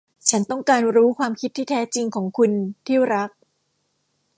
ฉันต้องการรู้ความคิดที่แท้จริงของคุณ ที่รัก